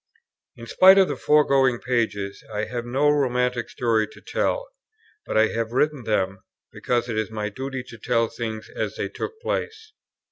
In spite of the foregoing pages, I have no romantic story to tell; but I have written them, because it is my duty to tell things as they took place.